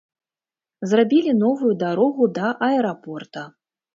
Зрабілі новую дарогу да аэрапорта.